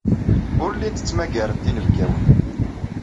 Ur llint ttmagarent inebgawen.